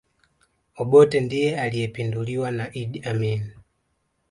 obotte ndiye aliyepinduliwa na idd amini